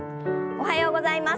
おはようございます。